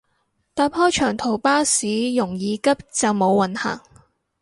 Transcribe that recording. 搭開長途巴士容易急就冇運行